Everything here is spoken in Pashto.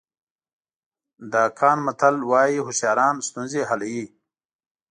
د اکان متل وایي هوښیاران ستونزې حلوي.